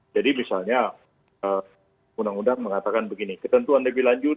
jadi misalnya undang undang mengatakan begini ketentuan lebih lanjut